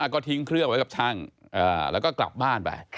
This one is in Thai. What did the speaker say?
ก็ทิ้งเครื่องไว้กับช่างแล้วก็กลับบ้านไป